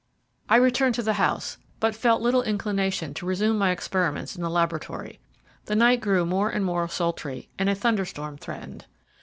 I returned to the house, but felt little inclination to resume my experiments in the laboratory. The night grew more and more sultry, and a thunderstorm threatened.